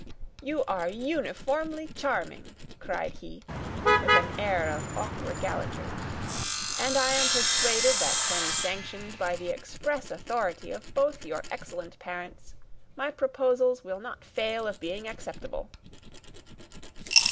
"You are uniformly charming!" cried he, with an air of awkward gallantry; "and I am persuaded that, when sanctioned by the express authority of both your excellent parents, my proposals will not fail of being acceptable."